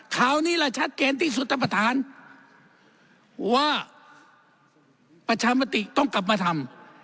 คราวนี้ล่ะชัดเจนที่สุดท่านประธานว่าประชามติต้องกลับมาทำ